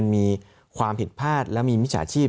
มันมีความผิดพลาดและมีวิชาชีพ